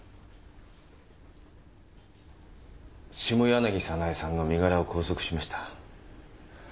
下柳早苗さんの身柄を拘束しました。